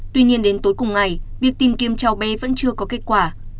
tuy nhiên đến tối cùng ngày việc tìm kiếm cháu bé vẫn chưa có kết quả